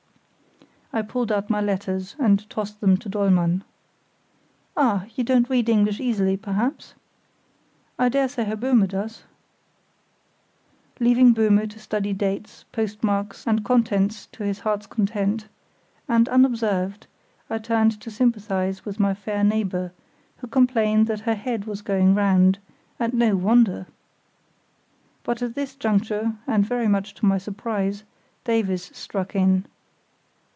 (I pulled out my letters and tossed them to Dollmann.) "Ah, you don't read English easily, perhaps? I dare say Herr Böhme does." Leaving Böhme to study dates, postmarks, and contents to his heart's content, and unobserved, I turned to sympathise with my fair neighbour, who complained that her head was going round; and no wonder. But at this juncture, and very much to my surprise, Davies struck in.